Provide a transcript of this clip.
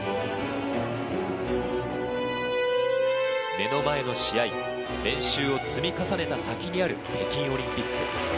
目の前の試合練習を積み重ねた先にある北京オリンピック。